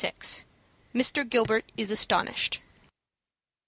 MR. GILBERT IS ASTONISHED.